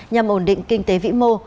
nhằm ổn định kinh tế vĩ mô